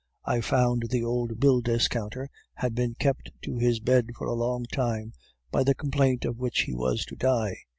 "I found the old bill discounter had been kept to his bed for a long time by the complaint of which he was to die.